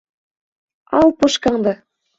Ал пушкаңды!